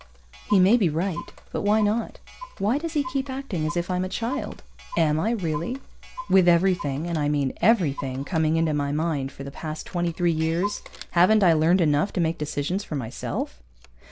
_ He may be right, but why not? Why does he keep acting as if I'm a child? Am I, really? With everything (and I mean everything) coming into my mind for the past twenty three years, haven't I learned enough to make decisions for myself?